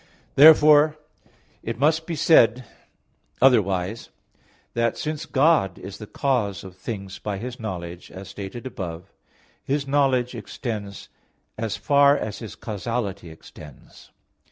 Therefore it must be said otherwise, that, since God is the cause of things by His knowledge, as stated above (A. 8), His knowledge extends as far as His causality extends.